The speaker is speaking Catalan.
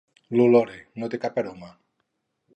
L'olore, no té cap aroma.